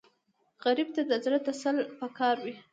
غریب ته د زړه تسل پکار وي